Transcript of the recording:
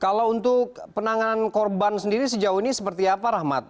kalau untuk penanganan korban sendiri sejauh ini seperti apa rahmat